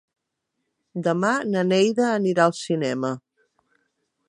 Demà na Neida anirà al cinema.